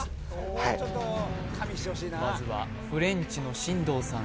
はいまずはフレンチの進藤さん